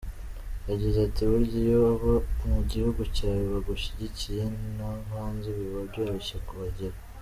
Yagize ati “Burya iyo abo mu gihugu cyawe bagushyigikiye no hanze biba byoroshye kuhagera.